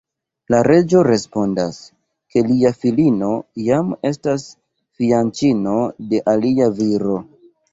La reĝo respondas, ke lia filino jam estas fianĉino de alia viro.